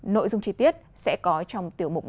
nội dung chi tiết sẽ có trong tiểu mục